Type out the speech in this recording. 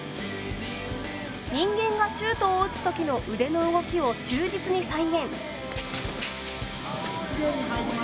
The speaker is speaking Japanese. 人間がシュートを打つ時の腕の動きを忠実に再現。